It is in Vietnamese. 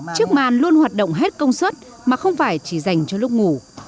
chiếc màn luôn hoạt động hết công suất mà không phải chỉ dành cho lúc ngủ